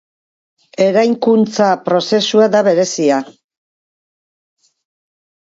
Eraikuntza prozesua da berezia.